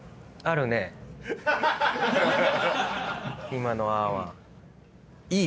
今の「あ」は。